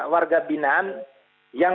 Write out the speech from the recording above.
warga binan yang